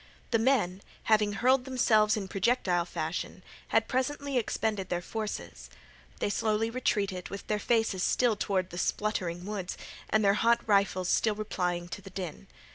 The men, having hurled themselves in projectile fashion, had presently expended their forces. They slowly retreated, with their faces still toward the spluttering woods, and their hot rifles still replying to the din.